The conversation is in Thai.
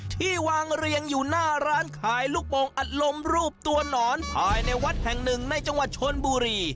ที่วางเรียงอยู่หน้าร้านขายลูกโปงอัดลมรูปตัวหนอนภายในวัดแห่งหนึ่งในจังหวัดชนบุรี